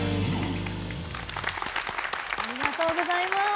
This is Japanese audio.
ありがとうございます！